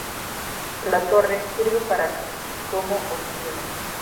La torre sirve para como oficinas.